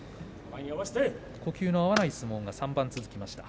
呼吸の合わない相撲が３番続きました。